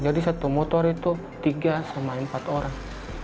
jadi satu motor itu tiga sama empat orang